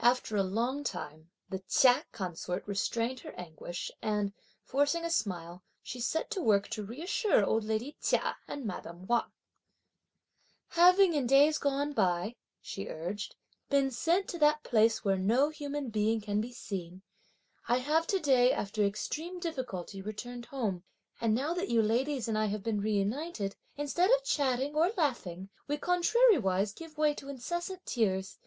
After a long time, the Chia consort restrained her anguish, and forcing a smile, she set to work to reassure old lady Chia and madame Wang. "Having in days gone by," she urged, "been sent to that place where no human being can be seen, I have to day after extreme difficulty returned home; and now that you ladies and I have been reunited, instead of chatting or laughing we contrariwise give way to incessant tears!